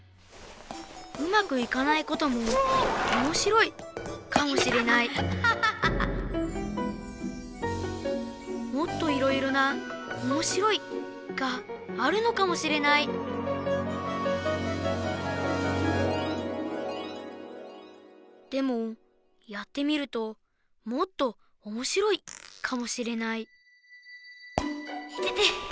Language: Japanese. うまくいかないこともおもしろいかもしれないもっといろいろな「おもしろい」があるのかもしれないでもやってみるともっとおもしろいかもしれないいてて。